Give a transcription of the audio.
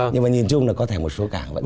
nhưng mà nhìn chung là có thể một số cảng vẫn